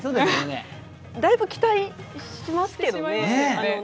だいぶ期待しますけどね。